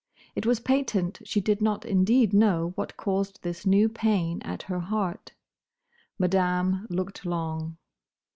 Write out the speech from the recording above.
It was patent she did not indeed know what caused this new pain at her heart. Madame looked long.